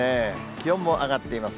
気温も上がっています。